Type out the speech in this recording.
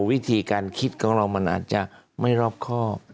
วิธีการคิดของเรามันอาจจะไม่รอบครอบ